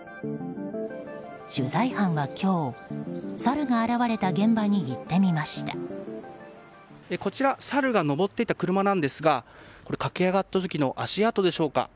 取材班は今日サルが現れた現場にこちら、サルが上っていた車なんですが駆け上がった時の足跡でしょうか。